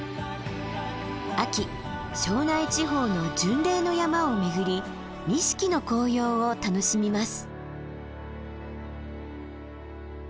秋庄内地方の巡礼の山を巡り錦の紅葉を楽しみます。